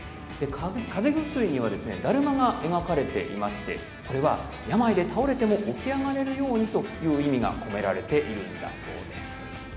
かぜ薬にはだるまが描かれていて病で倒れても起き上がれるようにという意味が込められているそうです。